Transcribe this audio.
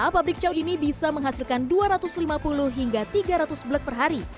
lima pabrik cao ini bisa menghasilkan dua ratus lima puluh hingga tiga ratus blek per hari